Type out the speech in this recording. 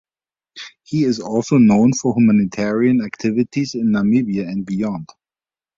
He is also known for humanitarian activities in Namibia and beyond.